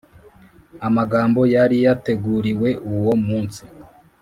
amagambo yari yateguriwe uwo munsi.